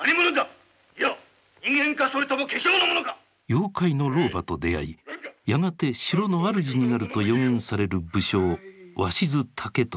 妖怪の老婆と出会いやがて城の主になると予言される武将鷲津武時。